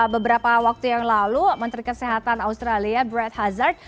beberapa waktu yang lalu menteri kesehatan australia bread hazard